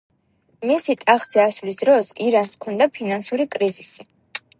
მისი ტახტზე ასვლის დროს, ირანს ჰქონდა ფინანსური კრიზისი.